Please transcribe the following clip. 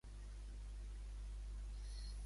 Per què és també famós Ōkuninushi?